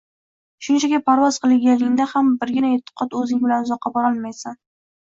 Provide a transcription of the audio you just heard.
Shunchaki parvoz qilganingda ham birgina e’tiqodning o‘zi bilan uzoqqa borolmaysan…